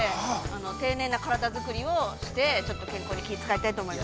丁寧な体づくりをして、ちょっと健康に気を使いたいと思います。